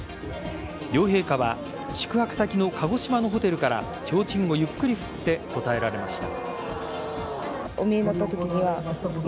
両陛下は宿泊先の鹿児島のホテルから提灯をゆっくり振って応えられました。